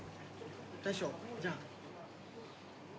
大将じゃあ。